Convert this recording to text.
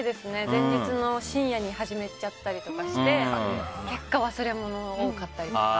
前日の深夜に始めちゃったりして結果、忘れ物が多かったりとか。